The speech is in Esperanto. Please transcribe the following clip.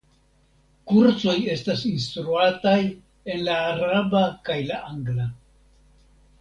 Kursoj estas instruataj en la araba kaj la angla.